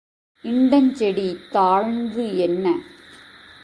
இண்டஞ்செடி தாழ்ந்து என்ன?